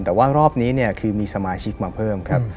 แต่ว่ารอบนี้เนี่ยคือมีสมาชิกมาเพิ่มครับ